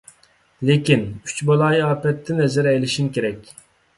لېكىن، «ئۈچ بالايىئاپەت»تىن ھەزەر ئەيلىشىڭ كېرەك.